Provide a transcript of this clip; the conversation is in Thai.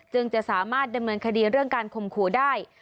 จะสามารถดำเนินคดีเรื่องการข่มขู่ได้